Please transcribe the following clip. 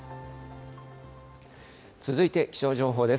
続いて気象情報です。